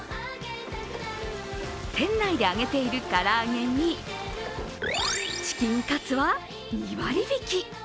店内で揚げているからあげにチキンカツは２割引。